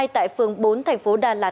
tại phường bốn thành phố đà lạt